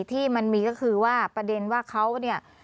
ที่มันมีก็คือว่าประเด็นว่าเขาเนี่ย